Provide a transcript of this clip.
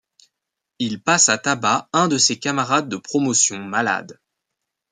Il passe à tabac un de ses camarades de promotion malade.